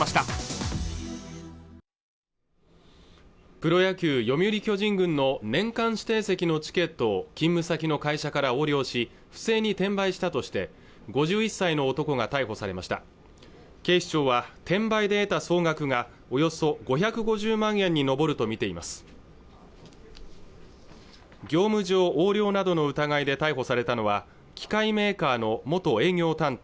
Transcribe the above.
プロ野球読売巨人軍の年間指定席のチケットを勤務先の会社から横領し不正に転売したとして５１歳の男が逮捕されました警視庁は転売で得た総額がおよそ５５０万円に上るとみています業務上横領などの疑いで逮捕されたのは機械メーカーの元営業担当